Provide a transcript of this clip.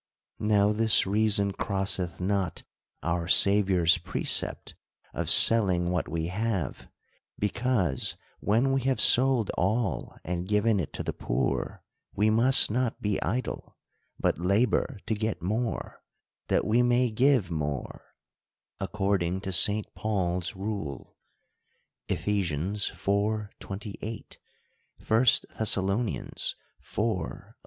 Now this reason crosseth not our Saviour's precept of selling w^hat we have ; because, when we have sold all and given it to the poor, we must not be idle, but labor to get more, that we may give more ; according to St. Paul's rule (Eph. iv. 2S, 1 Thess. iv. 11, 12).